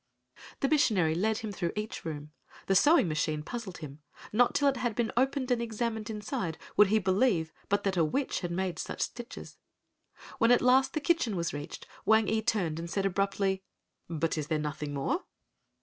The missionary led him through each room. The sewing machine puzzled him—not till it had been opened and examined inside would he believe but that a witch had made such stitches. When at last the kitchen was reached Wang ee turned and said abruptly, "but is there nothing more?"